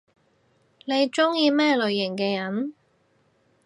你中意咩類型嘅人？